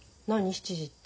７時って。